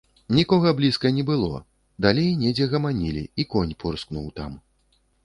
Нікога блізка не было, далей недзе гаманілі, і конь порскнуў там.